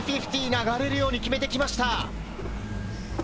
流れるように決めてきました。